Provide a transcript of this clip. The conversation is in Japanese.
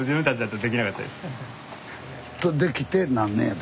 できて何年やて？